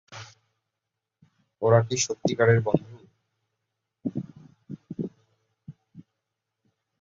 ওরা কি সত্যিকারের বন্ধু?